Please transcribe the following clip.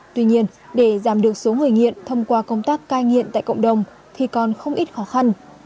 tuy nhiên để giảm được số người nghiện thông qua công tác cai nghiện tại cộng đồng thì còn không ít khó khăn